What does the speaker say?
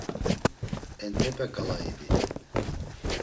Entepe ǩala idi.